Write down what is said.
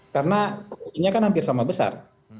karena koalisinya kan hampir sama besar